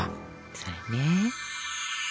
それね。